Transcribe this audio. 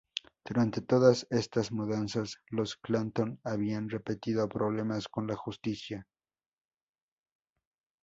Durante todas estas mudanzas, los Clanton habían repetido problemas con la justicia.